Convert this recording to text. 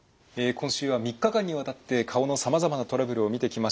今週は３日間にわたって顔のさまざまなトラブルを見てきました。